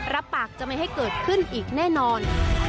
รับปากจะไม่ให้เกิดขึ้นอีกแน่นอน